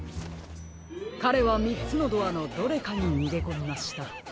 かれはみっつのドアのどれかににげこみました。